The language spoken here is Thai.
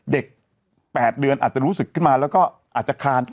๘เดือนอาจจะรู้สึกขึ้นมาแล้วก็อาจจะคาน